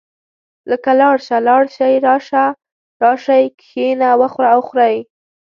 لکه لاړ شه، لاړ شئ، راشه، راشئ، کښېنه، وخوره او وخورئ.